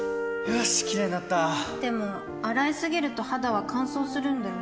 よしキレイになったでも、洗いすぎると肌は乾燥するんだよね